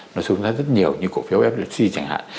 nó xuống ra rất nhiều như cổ phiếu flc chi chẳng hạn